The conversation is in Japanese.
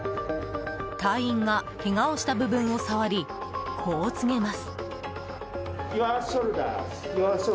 隊員がけがをした部分を触りこう告げます。